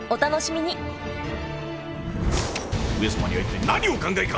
上様には一体何をお考えか。